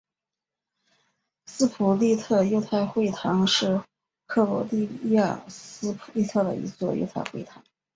斯普利特犹太会堂是克罗地亚斯普利特的一座犹太会堂。